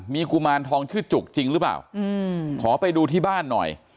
มีกุมารทองชื่อจุกจริงหรือเปล่าขอไปดูที่บ้านหน่อย